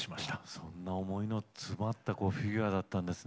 そんな思いの詰まったフィギュアだったんですね。